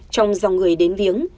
trong dòng người đến viếng